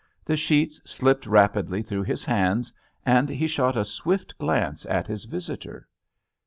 The sheets slipped rapidly through his hands and he shot a swift glance at his visitor.